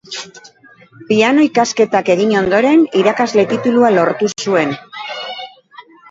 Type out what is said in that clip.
Piano ikasketak egin ondoren irakasle titulua lortu zuen.